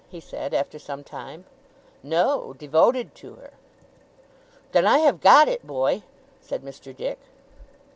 he said, after some time. 'No. Devoted to her.' 'Then, I have got it, boy!' said Mr. Dick.